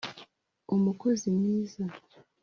umukozi mwiza